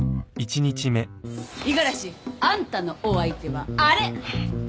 五十嵐あんたのお相手はあれ。